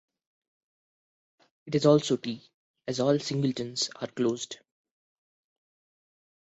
It is also T, as all singletons are closed.